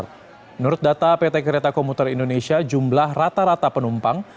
menurut data pt kereta komuter indonesia jumlah rata rata penumpang